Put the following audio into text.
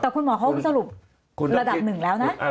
แต่คุณหมอเขาสรุประดับหนึ่งแล้วนะ